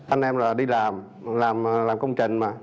anh em là đi làm làm công trình mà